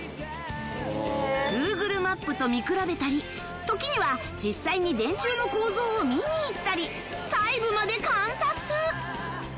ＧｏｏｇｌｅＭＡＰ と見比べたり時には実際に電柱の構造を見に行ったり細部まで観察！